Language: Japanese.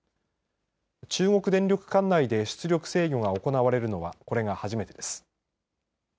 中国電力管内で出力制御が行われるのはこれが初めてです。